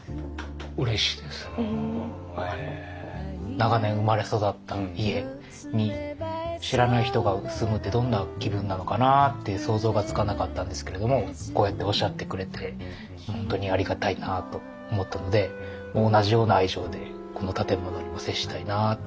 長年生まれ育った家に知らない人が住むってどんな気分なのかなって想像がつかなかったんですけれどもこうやっておっしゃってくれて本当にありがたいなと思ったのでほいじゃ頑張って。